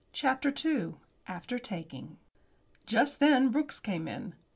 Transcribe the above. CHAPTER II AFTER TAKING. Just then Brooks came in.